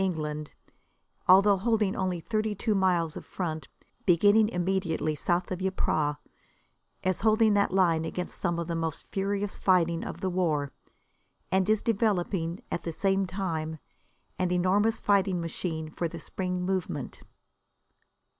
England, although holding only thirty two miles of front, beginning immediately south of Ypres, is holding that line against some of the most furious fighting of the war, and is developing, at the same time, an enormous fighting machine for the spring movement.